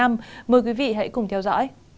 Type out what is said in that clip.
mời quý vị hãy cùng theo dõi